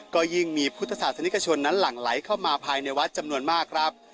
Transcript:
ก็ยิ่งมีพุทธศาสนิกชนนั้นหลั่งไหลเข้ามาภายในวัดจำนวนมากครับ